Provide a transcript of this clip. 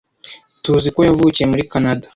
Tuzi ko yavukiye muri Kanada.